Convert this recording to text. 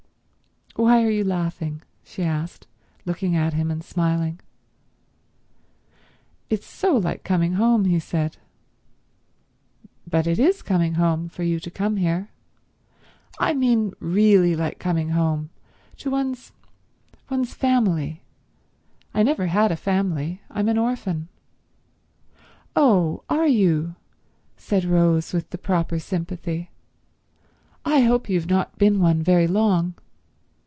"Why are you laughing?" she asked, looking at him and smiling. "It's so like coming home," he said. "But it is coming home for you to come here." "I mean really like coming home. To one's—one's family. I never had a family. I'm an orphan." "Oh, are you?" said Rose with the proper sympathy. "I hope you've not been one very long.